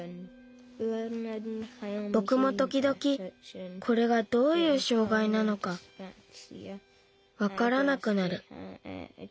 ぼくもときどきこれがどういう障害なのかわからなくなる。